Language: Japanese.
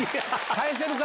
返せるか。